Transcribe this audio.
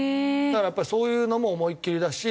だからやっぱりそういうのも思い切りだし。